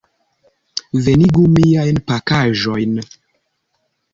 Venigu miajn pakaĵojn.